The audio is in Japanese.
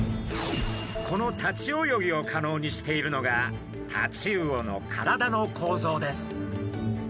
この立ち泳ぎを可能にしているのがタチウオの体の構造です。